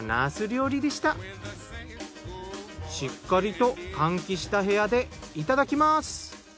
しっかりと換気した部屋でいただきます。